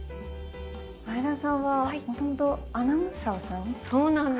前田さんはもともとアナウンサーさん。